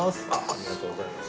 ありがとうございます。